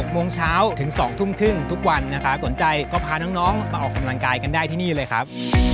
โมงเช้าถึง๒ทุ่มครึ่งทุกวันนะครับสนใจก็พาน้องมาออกกำลังกายกันได้ที่นี่เลยครับ